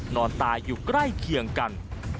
นอนตายอยู่ใกล้เคียงกัน